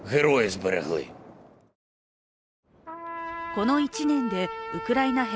この１年でウクライナ兵